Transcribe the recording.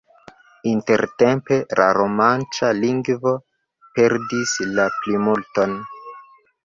Intertempe la romanĉa lingvo perdis la plimulton.